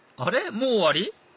もう終わり？